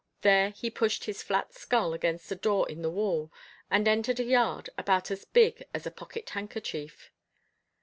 There he pushed his flat skull against a door in the wall, and entered a yard about as big as a pocket handkerchief.